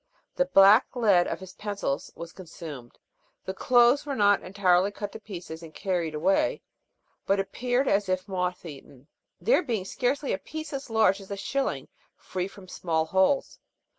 The black lead of his pencils was consumed ; the clothes were not entirely cut to pieces and carried away, but appeared as if moth eaten, there being scarcely a piece as large as a shilling free from small holes.